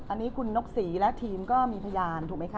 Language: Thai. อันนี้คุณนกศรีและทีมก็มีพยานถูกไหมคะ